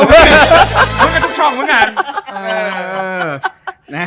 มึงก็ทุกช่องเหมือนกัน